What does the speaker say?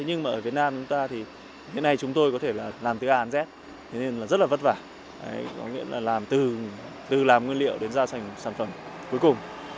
nhưng ở việt nam hiện nay chúng tôi có thể làm từ a đến z nên rất vất vả từ làm nguyên liệu đến gia trình sản phẩm cuối cùng